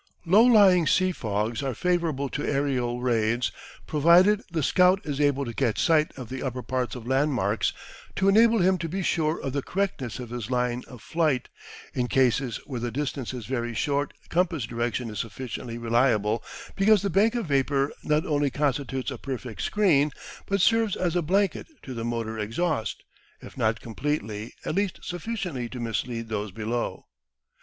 Low lying sea fogs are favourable to aerial raids provided the scout is able to catch sight of the upper parts of landmarks to enable him to be sure of the correctness of his line of flight in cases where the distance is very short compass direction is sufficiently reliable because the bank of vapour not only constitutes a perfect screen, but serves as a blanket to the motor exhaust, if not completely, at least sufficiently to mislead those below.